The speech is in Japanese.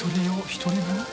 １人分？